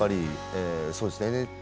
そうですね